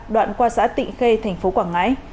đoạn qua xã tịnh khê thành phố quảng ngãi